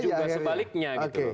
dan juga sebaliknya gitu